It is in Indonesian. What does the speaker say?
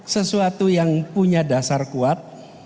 sesuatu yang punya dasar kuat